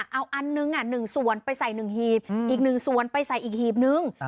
เอาอันหนึ่ง๑ส่วนไปใส่๑หีบอีก๑ส่วนไปใส่อีกหีบนึง